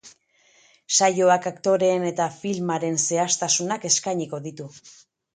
Saioak aktoreen eta filmaren zehaztasunak eskainiko ditu.